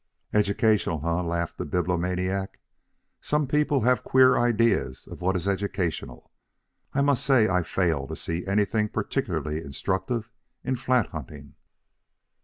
"Educational, eh?" laughed the Bibliomaniac. "Some people have queer ideas of what is educational. I must say I fail to see anything particularly instructive in flat hunting."